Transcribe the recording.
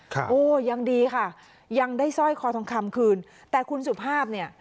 โอ้ยังดีค่ะยังได้สร้อยคอทองคำคืนแต่คุณสุภาพเนี่ย